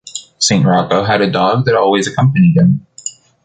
Saint Rocco had a dog that always accompanied him.